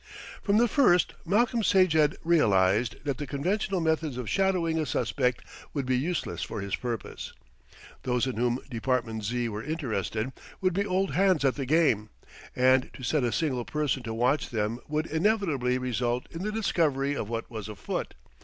From the first Malcolm Sage had realised that the conventional methods of shadowing a suspect would be useless for his purpose. Those in whom Department Z. were interested would be old hands at the game, and to set a single person to watch them would inevitably result in the discovery of what was afoot.